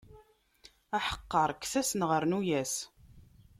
Aḥeqqaṛ, kkes-as neɣ rnu-yas.